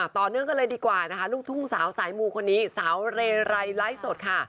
ต่อเนื่องกันเลยดีกว่านะคะลูกทุ่งสาวสายมูคนนี้สาวเรไรไลฟ์สดค่ะ